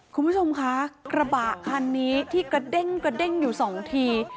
คุณผู้ชมคะกระบะคันนี้ที่กระเด้งกระเด้งอยู่สองที